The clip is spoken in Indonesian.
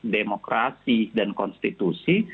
demokrasi dan konstitusi